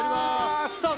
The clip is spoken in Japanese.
さあ